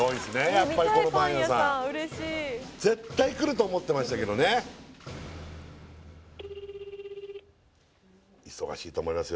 やっぱりこのパン屋さん絶対くると思ってましたけどね忙しいと思いますよ